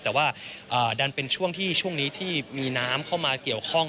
แต่ว่าดันเป็นช่วงที่ช่วงนี้ที่มีน้ำเข้ามาเกี่ยวข้อง